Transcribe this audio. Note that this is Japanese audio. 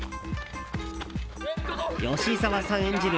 吉沢さん演じる